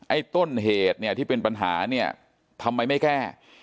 ไอ้ต้นเหตุที่เป็นปัญหาทำไมไม่แก้